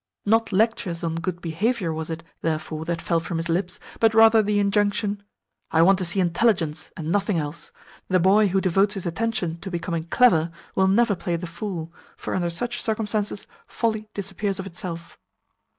Not lectures on good behaviour was it, therefore, that fell from his lips, but rather the injunction, "I want to see intelligence, and nothing else. The boy who devotes his attention to becoming clever will never play the fool, for under such circumstances, folly disappears of itself."